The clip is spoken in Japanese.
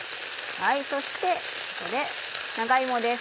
そしてここで長芋です。